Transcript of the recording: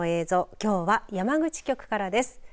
きょうは山口局からです。